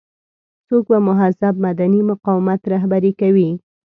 څوک به مهذب مدني مقاومت رهبري کوي.